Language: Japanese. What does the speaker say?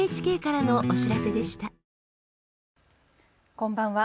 こんばんは。